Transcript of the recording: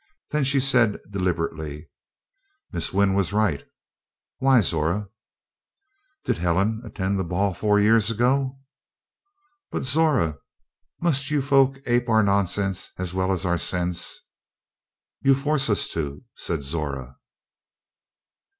Then she said deliberately: "Miss Wynn was right." "Why, Zora!" "Did Helene attend the ball four years ago?" "But, Zora, must you folk ape our nonsense as well as our sense?" "You force us to," said Zora.